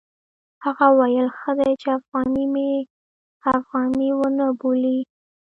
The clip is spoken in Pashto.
هغه وویل ښه دی چې افغاني مې افغاني ونه بولي.